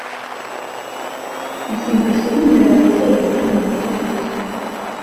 Усім прысутным давялося яе тэрмінова пакінуць.